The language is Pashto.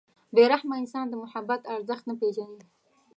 • بې رحمه انسان د محبت ارزښت نه پېژني.